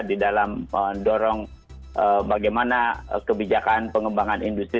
di dalam mendorong bagaimana kebijakan pengembangan industri